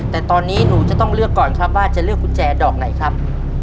แต่ตอนนี้หนูจะต้องเลือกก่อนครับว่าจะเลือกกุญแจดอกไหนครับ